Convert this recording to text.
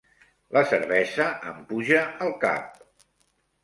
La cervesa em puja al cap.